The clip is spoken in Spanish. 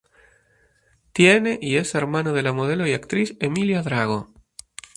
Tiene y es hermano de la modelo y actriz Emilia Drago.